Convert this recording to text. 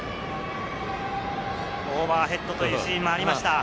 オーバーヘッドというシーンもありました。